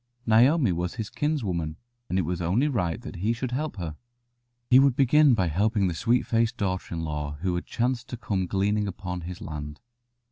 Naomi was his kins woman, and it was only right that he should help her. He would begin by helping the sweet faced daughter in law who had chanced to come gleaning upon his land.